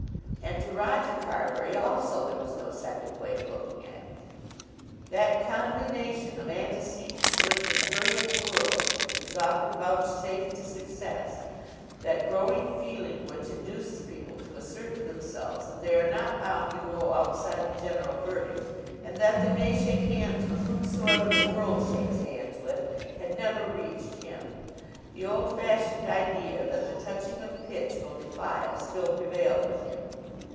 And to Roger Carbury also there was no second way of looking at it. That condonation of antecedents which, in the hurry of the world, is often vouchsafed to success, that growing feeling which induces people to assert to themselves that they are not bound to go outside the general verdict, and that they may shake hands with whomsoever the world shakes hands with, had never reached him. The old fashioned idea that the touching of pitch will defile still prevailed with him.